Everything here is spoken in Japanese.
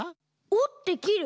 おってきる？